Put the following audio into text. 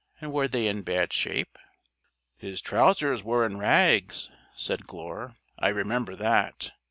And were they in bad shape?" "His trousers were in rags," said Glure. "I remember that.